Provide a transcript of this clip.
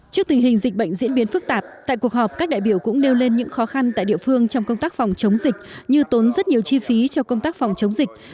trước tình hình dịch bệnh diễn biến phức tạp tại cuộc họp các đại biểu cũng nêu lên những khó khăn tại địa phương trong công tác phòng chống dịch như tốn rất nhiều chi phí cho công tác phòng chống dịch